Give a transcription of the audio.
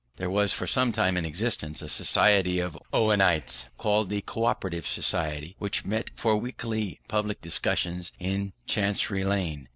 There was for some time in existence a society of Owenites, called the Co operative Society, which met for weekly public discussions in Chancery Lane.